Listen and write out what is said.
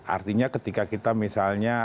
artinya ketika kita misalnya